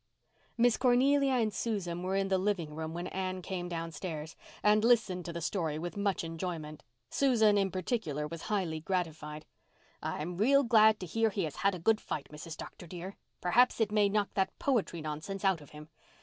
Miss Cornelia and Susan were in the living room when Anne came downstairs, and listened to the story with much enjoyment. Susan in particular was highly gratified. "I am real glad to hear he has had a good fight, Mrs. Dr. dear. Perhaps it may knock that poetry nonsense out of him.